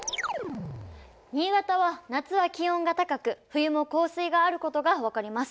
新潟は夏は気温が高く冬も降水があることが分かります。